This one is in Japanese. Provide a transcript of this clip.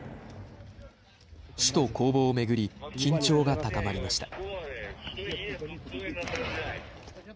首都攻防を巡り、緊張が高まりました。